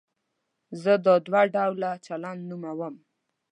زه دا دوه ډوله چلند نوموم.